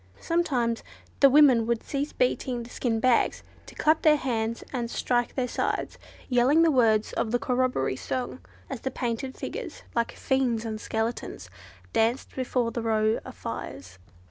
Sometimes the women would cease beating the skin bags, to clap their hands and strike their sides, yelling the words of the corroboree song as the painted figures, like fiends and skeletons, danced before the row of fires.